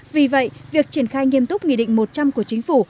vì vậy việc triển khai nghiêm túc nghị định một trăm linh của chính phủ